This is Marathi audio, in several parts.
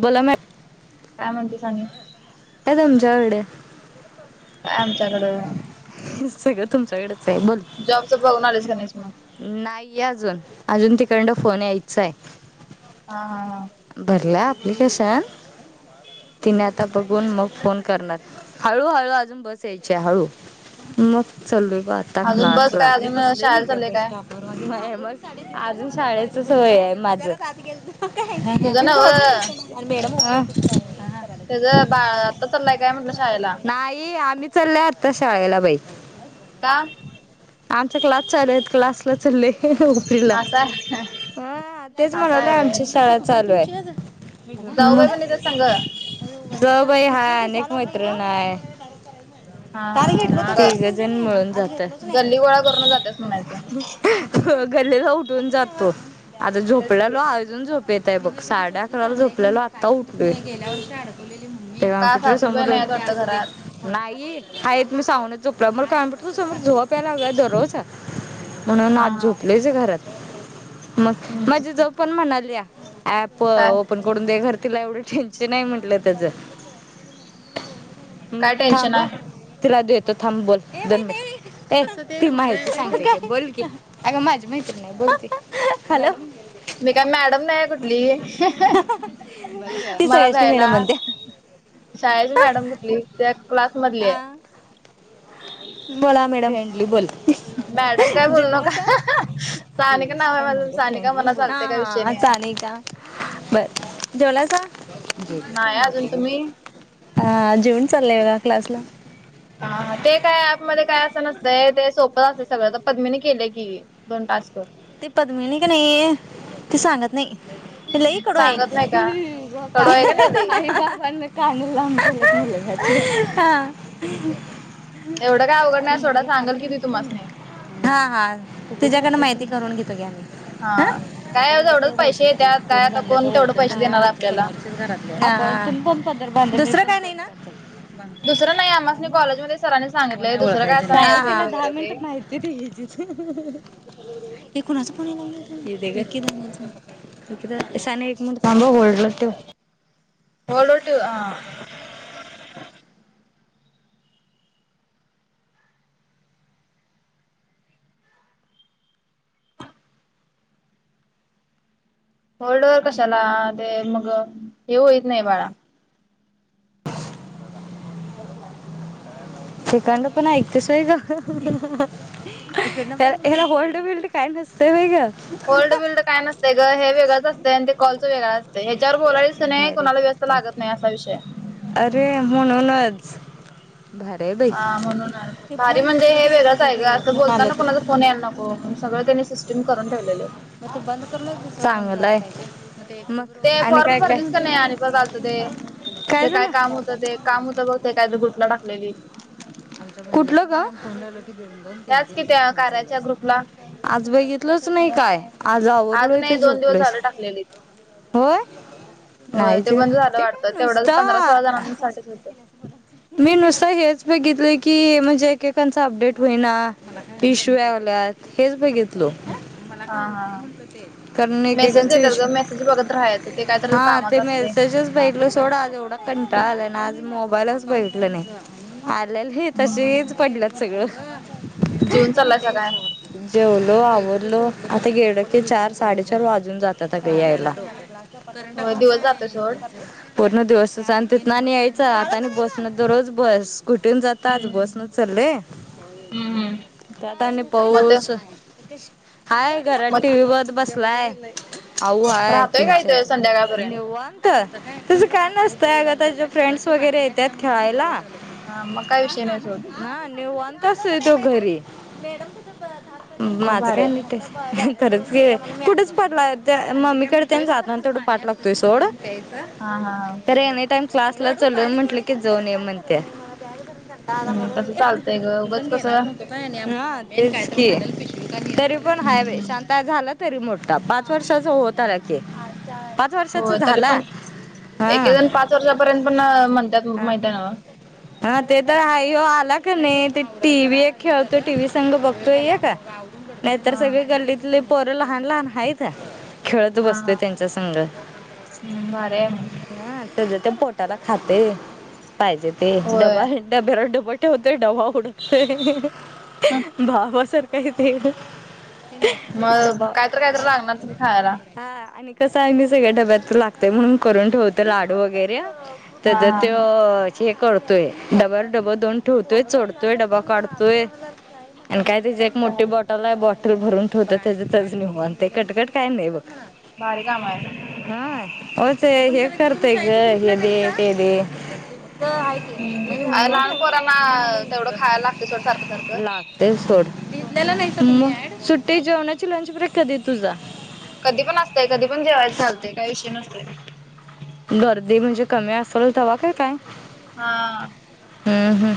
बोला मॅड काय म्हणते सानी एकदमच्यावडे का आमच्याकडं सगळं तुमच्याकडेच आहे बोल जॉबचं बघणार आलेच का नाहीस मग नाहीये अजून अजून तिकडडं फोन यायच आहे हा हा हा भरला अप्लिकेशन तिने आता बघून मग फोन करणार हळू हळू अजून बस यायची हळू मग चलू आता अजून बस क्लासला काय अजून शाळेला चाललंय काय मग अजून शाळेचच होय आहे माझ तुझं नव मडम त्याचा बा आता चालाय काय म्हटलं शाळेला नाही आम्ही चालल आता शाळेला बाई का आमचा क्लास चालू आहेत क्लासलाच लय डोकं फिरलं असं आहे ह तेच असं म्हणाल आहे व्हय आमच्या शाळा चालू आहे म जाऊबाई पण येत्यात संग ज बाई हा अनेक मैत्रण आहे हा हा मिळून जातोय. ह गल्ली गोळा करून जातेस म्हणायचं गल्लेला उठून जातो आता तेच झोपलाल की अ झोप येत आहे बघ साडे अकरा झोपल्याला आता उठोय का सासूबाई नाहीत वाटतं घरात नाही आहेत मी सावने चुकलं मग काय त सम झ लाव्या रोव म्हणून हा आत हा झोपलेच घरात मग हम्म माझी जव पण म्हणाली ऍप काय करून दे घर तिला एवढं टेन्शन आहे म्हटलं त्याचं मग काय टेन्शन थांबा आहे तिलाजू येतो थांब बोल धन ए ती माहिती सांग का बोल क अग माझी मैत्री नाही बोलते हॅल मी काय मॅडम नाही कुठली ती मला सगळ्याशनी द्यायला मॅडम म्हणते शाळेची मॅडम म्हटली त्या क्लास मधली आहे बोला मॅडमंडली बोलत मॅडम काय बोलू नका सानिका जेवलीस नाव आहे काय माझ म्हणलं सानिका फ्रेंडली म्हनात. हा हा असं आहे का बर देवला जा नाही अजून तुम्ही ह जेवनस चालाव का क्लास ला. हा हा ते काय ऍप मध्ये काय असं नसतंय ते सोपत असतंय सगळं तर पद्मीने केलंय की दोन टास्क. ते पद्मीने का नाही ते सांगत नाही. लई कडु हाय. सांगत नाही का कडू आहे का नाही लई कान लाले हा. एवढं काय अवघड नाही सोडा सांगल की का तुम्हांस नी. नाही. हा हा त्याच्याकडन माहिती करून घेतो घ्या आम्ही. हा काय आमच्या गल्लीत एवढच लय पैसे बहुतेक येत ते काय तोंड आता कोण बांधल्याचा तेवढं ओळखण पैसे झाल्या तर देणार आमच्या आपल्याला. समोरच्याच दुसरं काय नाही ना? दुसरं नाही आम्हासनी कॉलेजमध्ये सरांनी सांगितलंय कोणा दुसरं ओळखाय काय असं नाही आहे फेक दहा वगैरे ते मिनिट माहिती [unintelligible] साने एक थांब होल्ड ठेव. होल्ड वर ठेव हा. होल्ड वर कशाला ते मग हे होईत नाही बाळा. तेकांड पण ऐकतेसय गला होल्ड बिलड काय नसतं वेगं ओल्ड बिल्ड काय नसते गं हे वेगंच असते आणि ते कॉल्च वेगळां अस. ह्याच्यावर बोलायलाच नाही भारी कोणाला व्यस्त हाय. लागत नाही असा विषय अरे म्हणूनच. भारी हाय बाई. हा म्हणून ते भारी फोन म्हणजे दुसरं हे बी येतात वेगळंच आहे का बाई असं फोन बोलता आलं ना तर कोणाच फोन यायला नको सगळं त्यांनी सिस्टीम करून ठेवलेले चांगलाय हाय. ते फॉर्म भरलीस का नाही आणि परत आलंत पण ते पाठवून काय काम होतं बाबांना ते काम होत बघ. ते काय ग्रुप ला टाकलेली. कुठलं ग? त्याच कि त्या कार्याच्या ग्रुपला आज बघितलच नाही काय? आज आवरलोय नाही ते दोन दिवस झोपलोयच झालं टाकलेली व्हय. हो नाहीच ते बंद झालं ते काय वाटतं तेवढंच पंधरा सोळा नुसतं. जणांसाठीच होतं मी नुसतं हेच. बघितलं की म्हणजे एकेकांच अपडेट होईना इश्यू याल्यात हेच बघितलं. हा हां हां. कारण मेसेज एकेकांचा देतात ग इश्यू मेसेज बघत राहायचं ते काय तर हा ते कामाचं असतंय. मेसेजेस बघितलं सोडं आज एवढा कंटाळा आला ना आज मोबाईलच बघितलं नाही. आल्याल हे तसेच हम्म पडलंत सगळं. जीवन चाललायसा काय जेवलो आवरलो आता गेलो की चार साडेचार वाजून जातात अगं यायला. [unintelligible] होय दिवस जातोय सोड. [unintelligible] पूर्ण दिवसच आणि तिथं आणि यायचं आता आणि बसन दररोज बस स्कुटीन जात नाही. आज बस न हम्म चाललोय हम्म हम्म त्यात आणि मग ते पाऊस‌. हाय घरात टी मग व्ही बगत बसलाय. आऊ हाय राहतोय काय इथ तेनच्या संध्याकाळपर्यंत हेच्या तसं काय नसतंय अग त्याच्या फ्रेंड्स वगैरे येतात खेळायला. हा म. हा नीवांत असतोय तो घरी. मग माझं काय भारी आहे नाही खरंच घे कुठेच पाठी लागत नाही मम्मीकडे ते जातना तेन पाठ लागतोय सोड हा हा अरे एनी टाइम क्लासला चालू म्हटलं की जाऊन ये म्हणतीया काला तसं चालतंय ग म्हणून पण उगच घे ना कसं मी पण घेणार नव्हतो तरी पण हाय बाई हम्म शांत झाला. मोठा पाच वर्षा होत आला की. वर्षाचा हो तरी झाला पण हा एक एक जण पाच वर्षापर्यंत पण म्हणतात हा माहिती आहे नव्हतं हा ते तर हाय ओ आला का नाही ते टी व्ही एक खेळतो टी व्ही संघ बघतोय एक नाहीतर हा सगळे गल्लीतले पोरं लहान लहान आहेतच खेळत हा बसतोय हा त्यांचा संघ भारी आहे मग हा त्या ते पोटाला खाते पाहिजे ते डबा डब्यावर डब होतय डबा उडकतय होय. भावासारखा य ते मग डबा कायतर कायतर लागणार की खायला. हा आणि कसं आहे मी सगळ्या डब्यात लागतंय म्हणून करून ठेवतो लाडू वगैरे हा त्या ते हा. हे करतोय डबल डबल दोन ठेवतोय चोडतोय डबा काढतोय आणि काय तची एक मोठी भारी बॉटल आहे बॉटल बॉटल भरून ठेवतो त्याचा त्याचं निेवात आणि ते कटकट काय नाही बघ भारी काम आहे ना हा ओते हे करतेय ग हे दे ते दे अ लहान पोरांना तेवढं खायला लागते सोड सारखं सारखं. लाग तेच सोड सुट्टी जेवणाची लंच ब्रेक कधी आहे तुझा? कधी पण असतं कधी पण जेवायच चालतंय काही विषय नसतं गर्दी म्हणजे कमी असलं तवा का काय हा हम्म हम्म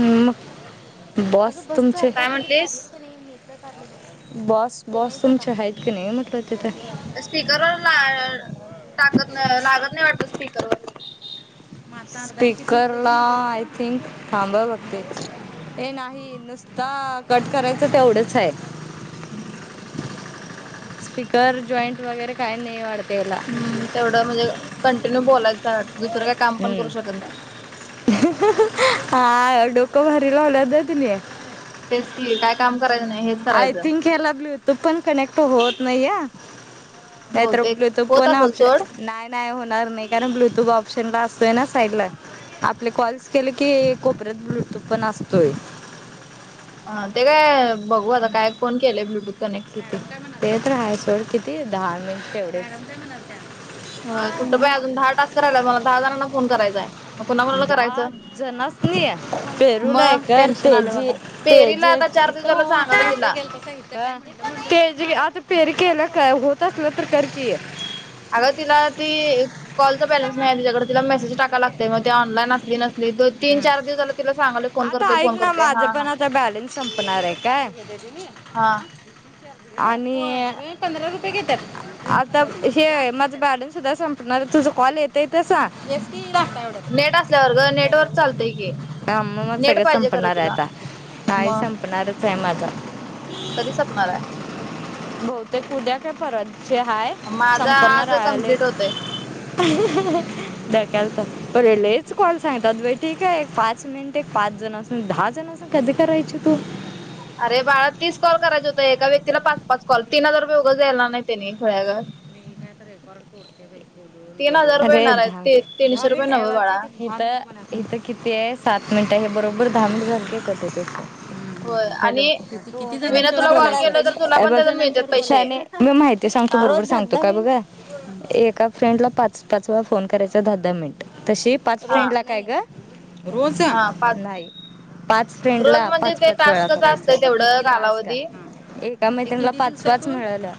हम्म मग बॉस तुमचे काय म्हटलीस? बॉस बॉस तुमच्या आहेत की नाही म्हटलं तिथं स्पीकरवर ला टाकत लागतं नाही वाटत स्पीकरवर स्पीकर ला आय थिंक थांब अ बघते हे नाही नुसता कट करायचं तेवढंच आहे स्पीकर जॉईंट वगैरे काही नाही वाढते याला हम्म तेवढं म्हणजे कंटिन्यू बोलायचं वाटत दुसरं काही काम पण हम्म. करू शकत नाही हा डोकं भारी लावलं त्यांनी तेच काय काम करायचं नाही हे आय थिंक ह्याला ब्लूटूथ पण कनेक्ट होत नाही या नाही तर बहुतेक ब्लूटूथ होत पण असेल सोड. ऑप्शन नाही नाही होणार नाही कारण ब्लूटूथ ऑप्शन ला असतोय ना साईड ला आपले कॉल्स केले की कोपऱ्यात ब्लूटूथ पण असतोय. ह ते काय बघू आता काय फोन केलेय ब्लूटूथ कनेक्ट ते तर आहे सोड किती दहा मिनिट तेवढे हो कुठं बाई अजून दहा टास्क राहिला मला दहा जणांना फोन करायचाय दहा जणा सनी नाही मग पेरुलयकर टेन्शन आलंय तेजी मला तेजी पेरीला जे आता कि चार दिवस झालं सांगालोय तिथं तिला ग ते आता पेरी केला काय होत असलं तर करकी अगं तिला ती कॉलचा बॅलेन्स नाही आहे तिच्याकडे तिला मेसेज टाका लागतं तेव्हा ऑनलाईन असली नसली तर तीन चार दिवस झाला तिला सांगाले फोन करते आता ऐक फोन ना करते हा माझं हा पण आता बॅलन्स संपणार आहे काय हे देते मी हां आणि पंधरा रुपये घेतात आता हे माझं ब बॅलेन्स सुद्धा संपल तुझं कॉल येत आहे तसा नेट असल्यावर ग म मग सगळ पाहिजे खरं संपणार आहे तुला आता नाही मग संप आपणार फमाचा कधी संपणार आहे बहुतेक उद्या काय परत जे हाय माझा आज कम्प्लीट होतय द कलस बरलेच कवाल सांगतात ब ठीक आहे एक पाच मिनट एक पाच जण असून दहा जण असून कधी करायची तू अरे बाळा तीस कॉल करायचे होत एका व्यक्तीला पाच पाच कॉल तीन हजार बे उघं जायला ना नाही त्याने खळ्या तीन हजार रुपये अरे येणार आहेत ाव ते तीनशे रुपये नव्ह हथ बाळा इथ किती आहे सात मिनिट आहे हे बरोबर दहा मिनिट झा क होय हॅलो आणि मी ना तुला कॉल केलं तर तुला पण त्याच मिळतात पैसे कितीने मी माहिती सांगतो हा बरोबर सांगतो का बघा एका फ्रेंडला पाच पाच वेळा फोन करायचा दहा दहा मिनिट तशी पाच हा फ्रेंड ला काय ग रोज हा पाच नाही पाच फ्रेंड रोज ला म्हणजे पाच ते पाच वेळा टास्कच असतंय तेवढं करायचाला का कालावधी का महि त्यांना पाचवच मिळाल्या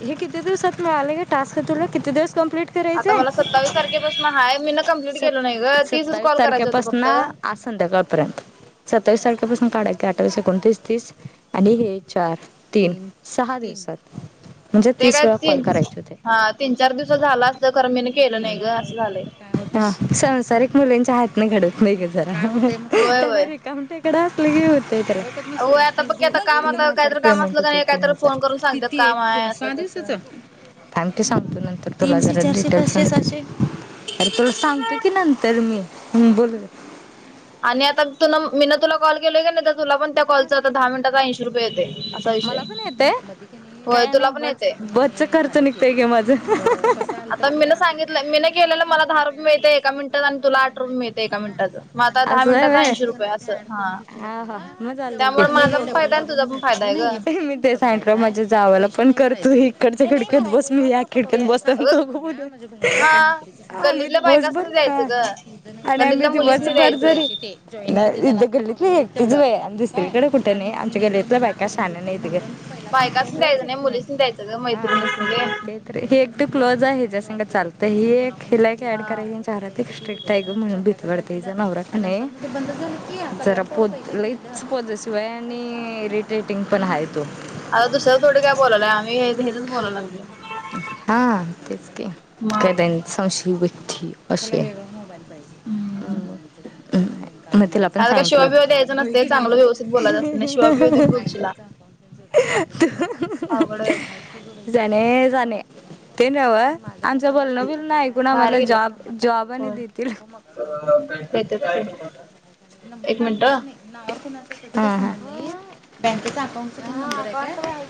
हे किती दिवसात म आलाग टस्कतरला कि दिव क्लीट आता मला सत्तावीस तारखेपासून आहेय मी ना कम्प्लीट केलो नाही सत् ग तीसच सत्तावीस कॉल करायचं होतं तारखेपासून फक्त आज संध्याकाळपर्यंत सत्तावीस तारखेपासून काढा की अठवीस एकोणतीस तीस आणि हे चार तीन सहा दिवसात म्हणजे ते तिस काय वेळा कॉल तीन करायचे होते हा तीन चार दिवस झालं असतं खरं मी केलं नाही ग असं झालंय सरसरीत मुलींच्या हातने घडत नाही ग जरा होय होय काय म्हणते इकडं असलं के होतय तर होय आता बघ की आता काम तीन आता हजार काहीतरी काम पेमेंट असलं का होते नाही तीन काहीतरी फोन हजार करून सांगतात किती काम आहे असं सहा तसं. दिवसाच थँक्यू सांगतो नंतर तुला जरा डिटेल्स अरे तुला सांगतो की नंतर मी बोल आणि आता तुन मीन तुला कॉल केलोय का नाही तर तुला पण त्या कॉलच आता दहा मिनिटाचा ऐंशी रुपये येतय असा विषय मला पण येतय होय काय नाही तुला ब पण येतय ब खर्च निघतय गे माझं आता मी न सांगितलं मी न केलेलं मलाहा रुपये मिळते ए मिनिटात आणि तुला आठ रुपये मिळते एका मिनिटाचं मग आता दहा असं आहे मिनिटाचा व्हय ऐंशी रुपये असं हा त्यामुळे माझा पण फायदा तुझा फायदा आहे ग नाही म सँड्र माझ्या जावाला पण करतू इकडच्या खिड्यात बस मी या खिडक्यात बस अगं हा आम्ही ती गल्लीतल्या भोज भर बायकासनी द्यायचं ह ग आणि आम्ही गल्लीतल्या त मुलीसनी ब बर द्यायचं. थ गल्लीतली एकीच आहे दुसरीकडे कुठं नाही आमच्या गल्लीतलं बायका शाान नाही इथ घरी बायकाासून द्यायचं नाही मुलीसून द्यायचं ग हा मैत्रिणी ते हे एकदा क्लोज आहे ज्या सग चालतं ही एक हेिलाय ऍड हा कराय शार स्ट्रिकटग मण बित बडतात नव जरा पोत लच पोतशिवाय आणि रेट रेटिंग पण आहे तो आता दुसऱ थोडे काय बोलाय आम्ही रच बोला लागल म संशी वृती असे हम् मग तिला पण काल का सांगितले शिवाबिवा द यायचं नसते चांगलं व्यवस्थित बोलायचं असत ना शिवािव त होघडयच जाणे जाने ते न्हव आमचं बोलणं बिोलण ऐकू ना म बाहेर जॉब जॉब आणि देतील मग [inaudible] देत्यात की नंबर काढतसं नाही नाव कुणाच त्याच बँकेचा अकाउंट